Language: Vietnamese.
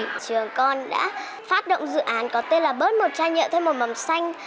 thì trường con đã phát động dự án có tên là bớt một chai nhựa thêm một mầm xanh